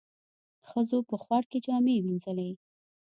ښځو په خوړ کې جامې وينځلې.